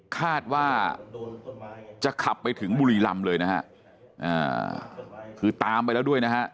คาดว่าจะขับไปถึงบุรีรำเลยนะฮะคือตามไปแล้วด้วยนะฮะ